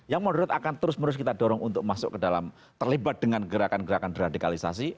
yang moderat akan terus menerus kita dorong untuk masuk ke dalam terlibat dengan gerakan gerakan deradikalisasi